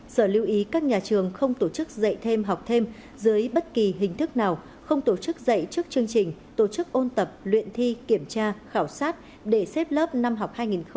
sở lưu ý các nhà trường không tổ chức dạy thêm học thêm dưới bất kỳ hình thức nào không tổ chức dạy trước chương trình tổ chức ôn tập luyện thi kiểm tra khảo sát để xếp lớp năm học hai nghìn hai mươi hai nghìn hai mươi một